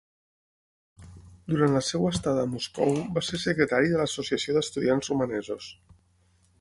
Durant la seva estada a Moscou va ser secretari de l'Associació d'Estudiants Romanesos.